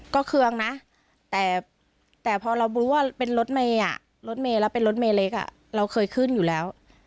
ก็เครื่องนะแต่พอเรารู้ว่าเป็นรถเมย์รถเมย์แล้วเป็นรถเมย์เล็กเราเคยขึ้นอยู่แล้ว